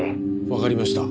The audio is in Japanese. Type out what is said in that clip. わかりました。